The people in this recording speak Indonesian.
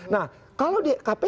nah kalau di kpk